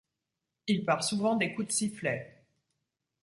Il part souvent des coups de sifflet.